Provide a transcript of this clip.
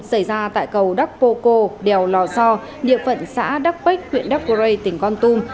xảy ra tại cầu đắc pô cô đèo lò so địa phận xã đắc bách huyện đắc rây tỉnh con tum